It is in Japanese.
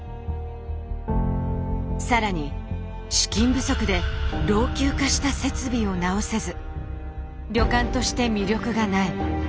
更に資金不足で老朽化した設備を直せず旅館として魅力がない。